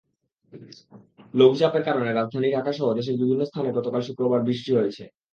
লঘুচাপের কারণে রাজধানী ঢাকাসহ দেশের বিভিন্ন স্থানে গতকাল শুক্রবার বৃষ্টি হয়েছে।